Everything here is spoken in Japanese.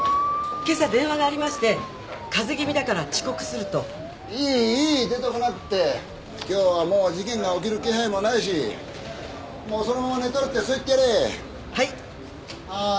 今朝電話がありましてカゼ気味だから遅刻するといいいい出てこなくって今日はもう事件が起きる気配もないしもうそのまま寝てろってそう言ってやれはいああ